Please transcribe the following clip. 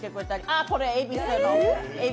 あ、これ恵比須の。